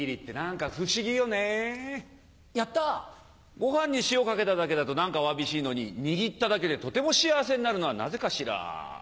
ご飯に塩かけただけだと何かわびしいのに握っただけでとても幸せになるのはなぜかしら？